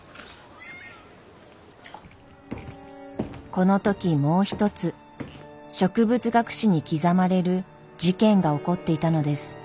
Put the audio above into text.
この時もう一つ植物学史に刻まれる事件が起こっていたのです。